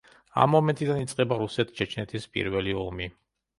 ამ მომენტიდან იწყება რუსეთ-ჩეჩნეთის პირველი ომი.